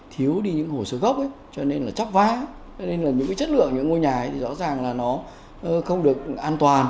thiếu đi những hồ sơ gốc ấy cho nên là chóc vá cho nên là những cái chất lượng những ngôi nhà thì rõ ràng là nó không được an toàn